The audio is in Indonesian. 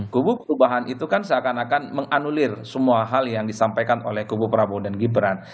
kubu perubahan itu kan seakan akan menganulir semua hal yang disampaikan oleh kubu prabowo dan gibran